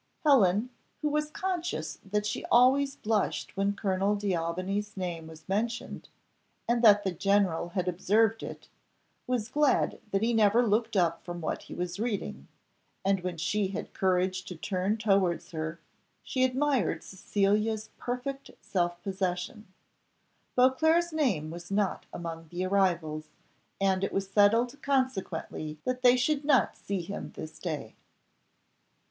Helen, who was conscious that she always blushed when Colonel D'Aubigny's name was mentioned, and that the general had observed it, was glad that he never looked up from what he was reading, and when she had courage to turn towards her, she admired Cecilia's perfect self possession. Beauclerc's name was not among the arrivals, and it was settled consequently that they should not see him this day.